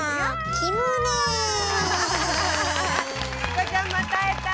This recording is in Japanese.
チコちゃんまた会えた。